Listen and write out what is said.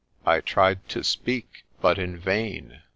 I tried to speak, but in vain.